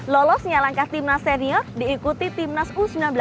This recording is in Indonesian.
lolosnya langkah timnas senior diikuti timnas u sembilan belas